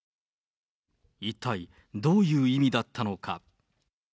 一体どういう意味だったのか。